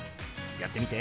やってみて。